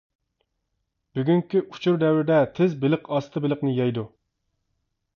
بۈگۈنكى ئۆچۈر دەۋرىدە، تىز بېلىق، ئاستا بېلىقنى يەيدۇ.